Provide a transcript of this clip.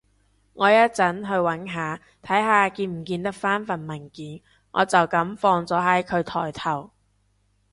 我一陣去搵下，睇下見唔見得返份文件，我就噉放咗喺佢枱頭